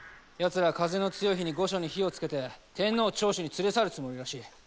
やつら風の強い日に御所に火をつけて天皇を長州に連れ去るつもりらしい。